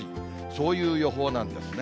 そういう予報なんですね。